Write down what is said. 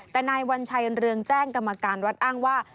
แต่นายวัญชัยเรืองแจ้งกรรมการวัดอ้างว่า